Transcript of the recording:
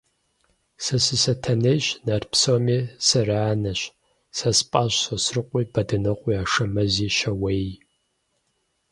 Сэ сы-Сатэнейщ, нарт псоми сыраанэщ; сэ спӀащ Сосрыкъуи, Бадынокъуи, Ашэмэзи, Щауеи.